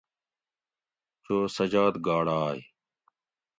"چو سجاد گھاڑائے"""